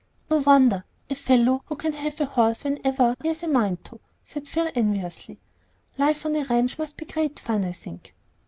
"No wonder; a fellow who can have a horse whenever he has a mind to," said Phil, enviously. "Life on a ranch must be great fun, I think."